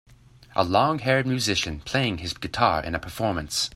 A longhaired musician, playing his guitar in a performance.